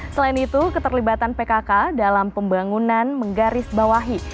selain itu keterlibatan pkk dalam pembangunan menggarisbawahi